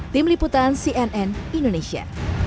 tim liputan cnn indonesia